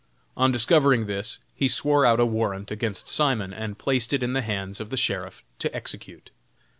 On discovering this he swore out a warrant against Simon and placed it in the hands of the sheriff to execute.